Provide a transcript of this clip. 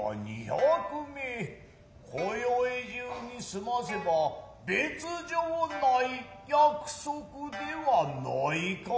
今宵中に済ませば別条ない約束ではないかいの。